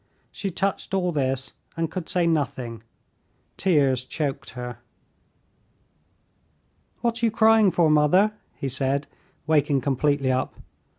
She touched all this and could say nothing; tears choked her. "What are you crying for, mother?" he said, waking completely up.